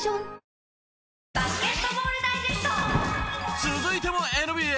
続いてもＮＢＡ。